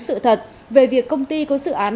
sự thật về việc công ty có sự án